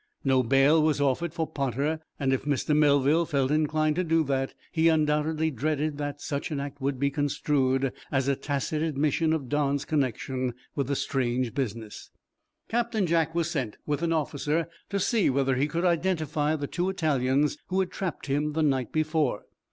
No bail was offered for "Potter." If Mr. Melville felt inclined to do that, he undoubtedly dreaded that such an act would be construed as a tacit admission of Don's connection with the strange business. Captain Jack was sent, with an officer, to see whether he could identify the two Italians who had trapped him the night before.